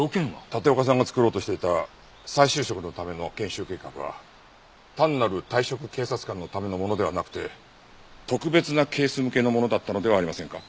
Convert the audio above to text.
立岡さんが作ろうとしていた再就職のための研修計画は単なる退職警察官のためのものではなくて特別なケース向けのものだったのではありませんか？